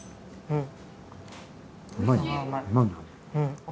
うん。